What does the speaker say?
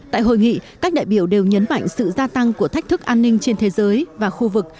tại hội nghị các đại biểu đều nhấn mạnh sự gia tăng của thách thức an ninh trên thế giới và khu vực